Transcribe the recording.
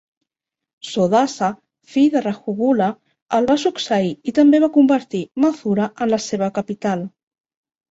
Sodasa, fill de Rajuvula, el va succeir i també va convertir Mathura en la seva capital.